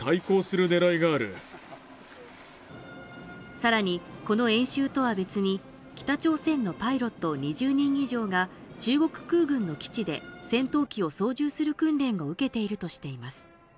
さらにこの演習とは別に北朝鮮のパイロット２０人以上が中国空軍の基地で戦闘機を操縦する訓練を受けているとしています